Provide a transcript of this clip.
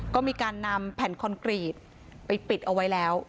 ก็มีการนำแผ่นคอนกรีตไปปิดเอาไว้แล้ว